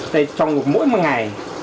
trong mỗi một ngày